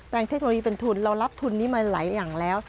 เทคโนโลยีเป็นทุนเรารับทุนนี้มาหลายอย่างแล้ว